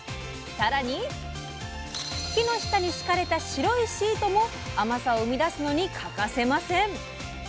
さらに木の下に敷かれた白いシートも甘さを生み出すのに欠かせません。